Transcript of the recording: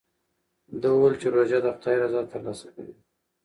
ده وویل چې روژه د خدای رضا ترلاسه کوي.